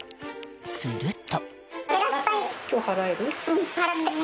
すると。